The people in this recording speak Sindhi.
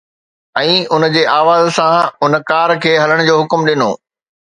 ۽ ان جي آواز سان، هن ڪار کي هلڻ جو حڪم ڏنو.